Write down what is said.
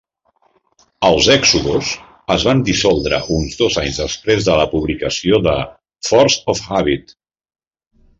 Els Exodus es van dissoldre uns dos anys després de la publicació de "Force of Habit".